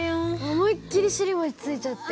思いっきり尻餅ついちゃって。